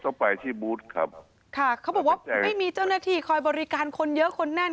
ต้องไปที่บูธครับค่ะเขาบอกว่าไม่มีเจ้าหน้าที่คอยบริการคนเยอะคนแน่น